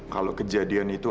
kalau kejadian itu